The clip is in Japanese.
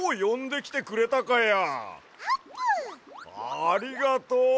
ありがとう！